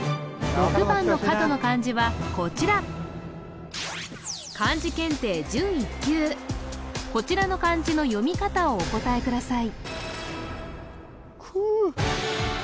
６番の角の漢字はこちらこちらの漢字の読み方をお答えください